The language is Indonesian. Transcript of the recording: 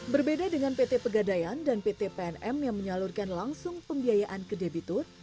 berbeda dengan pt pegadaian dan pt pnm yang menyalurkan langsung pembiayaan ke debitur